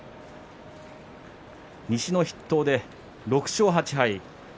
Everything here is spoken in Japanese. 西の筆頭で６勝８敗。